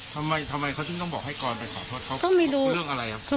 ทำไมเขาต้องบอกให้กรไปขอโทษเขาบอกเรื่องอะไรครับ